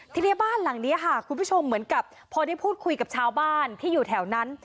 ทีนี้บ้านหลังนี้ค่ะคุณผู้ชมเหมือนกับพอได้พูดคุยกับชาวบ้านที่อยู่แถวนั้น